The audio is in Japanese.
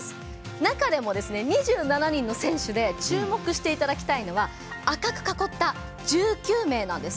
中でも、２７人の選手で注目していただきたいのは赤く囲った１９名なんです。